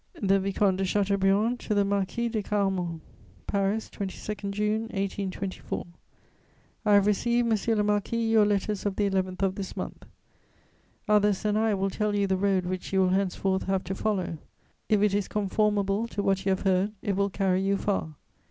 THE VICOMTE DE CHATEAUBRIAND TO THE MARQUIS DE CARAMAN "PARIS, 22 June 1824. "I have received, monsieur le marquis, your letters of the 11th of this month. Others than I will tell you the road which you will henceforth have to follow; if it is conformable to what you have heard, it will carry you far.